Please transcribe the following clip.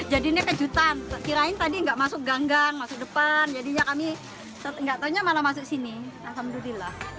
jadinya kejutan kirain tadi gak masuk gang gang masuk depan jadinya kami gak taunya mana masuk sini